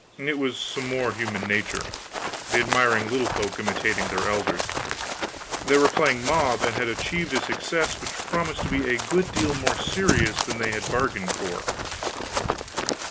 It was some more human nature; the admiring little folk imitating their elders; they were playing mob, and had achieved a success which promised to be a good deal more serious than they had bargained for.